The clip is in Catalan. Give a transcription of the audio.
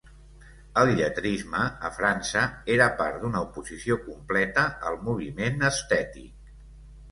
El lletrisme, a França, era part d'una oposició completa al moviment estètic.